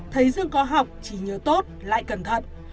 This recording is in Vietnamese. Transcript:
thấy dương có học chỉ nhớ tốt lại cẩn thận